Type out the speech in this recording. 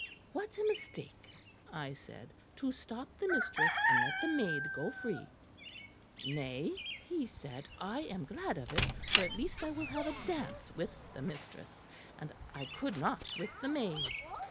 "'What a mistake,' I said, 'to stop the mistress and let the maid go free!' "'Nay,' he said, 'I am glad of it; for at least I will have a dance with the mistress; and I could not with the maid.'